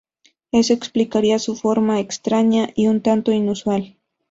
Eso explicaría su forma extraña y un tanto inusual.